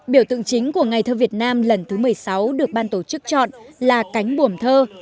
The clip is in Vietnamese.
biểu tượng chính của ngày thơ việt nam lần thứ một mươi sáu được ban tổ chức chọn là cánh buồm thơ